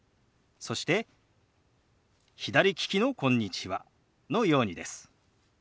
そして左利きの「こんにちは」のようにです。